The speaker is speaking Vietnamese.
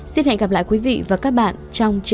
xin hẹn gặp lại quý vị và các bạn trong chương trình